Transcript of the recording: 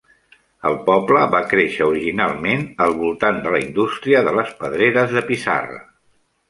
El poble va créixer originalment al voltant de la indústria de les pedreres de pissarra.